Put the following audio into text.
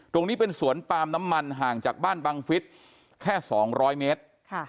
ตรงนี้เป็นสวนปาล์มน้ำมันห่างจากบ้านบังฟิศแค่๒๐๐เมตร